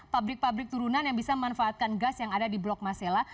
pabrik pabrik turunan yang bisa memanfaatkan gas yang ada di blok masela